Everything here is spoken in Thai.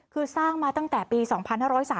คือสร้างมาตั้งแต่ปี๒๕๓๓